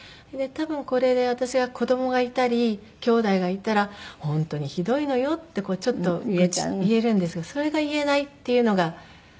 多分これで私が子供がいたりきょうだいがいたら本当にひどいのよってちょっと言えるんですがそれが言えないっていうのが。